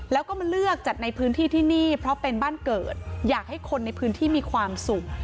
แล้วก็มาเลือกจัดในพื้นที่ที่นี่เพราะเป็นบ้านเกิดอยากให้คนในพื้นที่มีความสุข